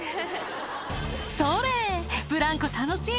「それブランコ楽しい！」